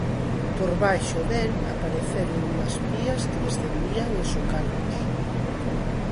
Por baixo del apareceron unhas pías que descendían en socalcos.